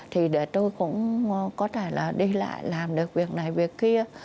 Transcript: thì để tôi cũng có thể là đi lại làm được việc này việc kia